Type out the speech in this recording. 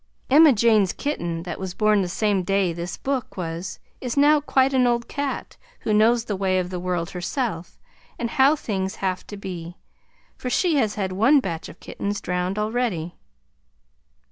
Emma Jane's kitten that was born the same day this book was is now quite an old cat who knows the way of the world herself, and how things have to be, for she has had one batch of kittens drowned already.